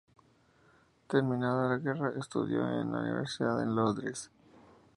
Terminada la guerra, estudió en la Universidad de Londres.